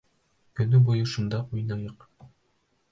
Көнө буйы шунда уйнаныҡ.